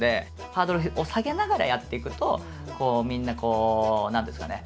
ハードルを下げながらやっていくとこうみんな何ていうんですかね